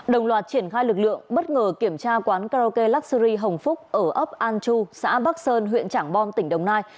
đồng loạt triển khai lực lượng bất ngờ kiểm tra quán karaoke luxury hồng phúc ở ấp an chu xã bắc sơn huyện trảng bom tỉnh đồng nai